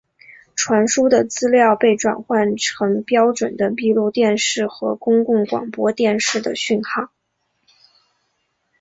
传输的资料被转换成标准的闭路电视和公共广播电视的讯号。